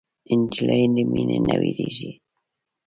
نجلۍ له مینې نه وږيږي.